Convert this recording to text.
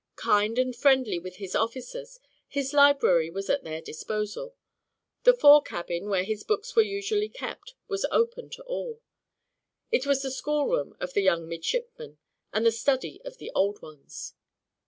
Kind and friendly with his officers, his library was at their disposal; the fore cabin, where his books were usually kept, was open to all; it was the school room of the young midshipmen, and the study of the old ones.